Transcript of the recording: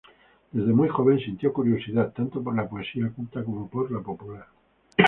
Desde muy joven sintió curiosidad tanto por la poesía culta como por la popular.